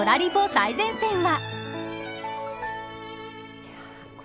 最前線は。